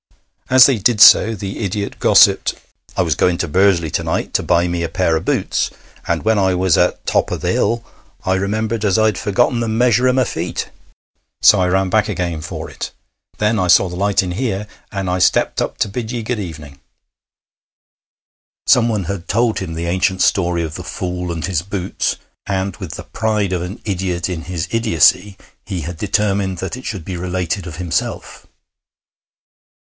As they did so the idiot gossiped: 'I was going to Bursley to night to buy me a pair o' boots, and when I was at top o' th' hill I remembered as I'd forgotten the measure o' my feet. So I ran back again for it. Then I saw the light in here, and I stepped up to bid ye good evening.' Someone had told him the ancient story of the fool and his boots, and, with the pride of an idiot in his idiocy, he had determined that it should be related of himself.